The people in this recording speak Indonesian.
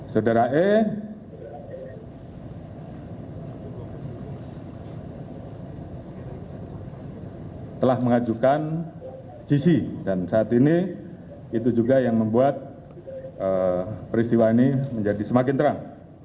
saudara e telah mengajukan gc dan saat ini itu juga yang membuat peristiwa ini menjadi semakin terang